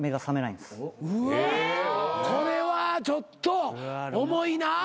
これはちょっと重いな。